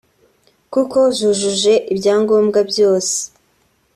kuko zujuje ibyangombwa byose